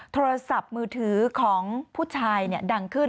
โทรศัพท์มือถือของผู้ชายดังขึ้น